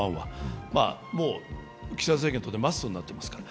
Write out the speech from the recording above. もう岸田政権にとってマストになっていますから。